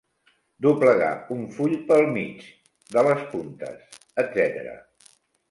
Doblegar un full pel mig, de les puntes, etc.